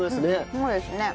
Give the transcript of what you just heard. そうですね。